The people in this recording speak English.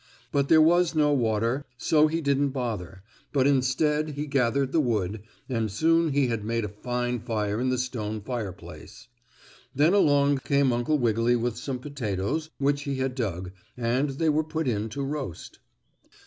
But there was no water, so he didn't bother, but instead he gathered the wood, and soon he had made a fine fire in the stone fireplace. Then along came Uncle Wiggily with some potatoes which he had dug, and they were put in to roast.